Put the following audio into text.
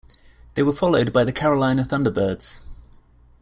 They were followed by the Carolina Thunderbirds.